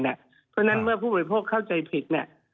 เพราะฉะนั้นเมื่อผู้บริโภคเข้าใจผิดเนี่ย